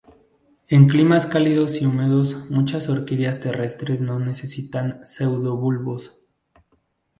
En climas cálidos y húmedos muchas orquídeas terrestres no necesitan pseudobulbos.